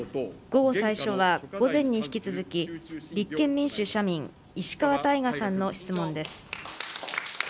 午後最初は午前に引き続き、立憲民主・社民、石川大我さんの質問です。